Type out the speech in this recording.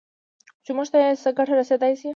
خو چې موږ ته یې څه ګټه رسېدای شي